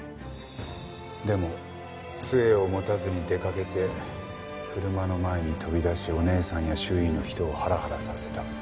でも杖を持たずに出かけて車の前に飛び出しお姉さんや周囲の人をハラハラさせた。